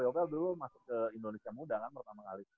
yoga dulu masuk ke indonesia muda kan pertama kali